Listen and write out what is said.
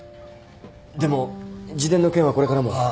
でも自伝の件はこれからも